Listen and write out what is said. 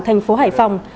thành phố hải phòng